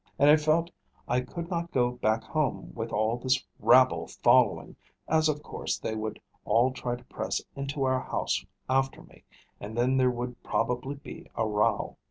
And I felt I could not go back home with all this rabble following, as of course they would all try to press into our house after me, and then there would probably be a row.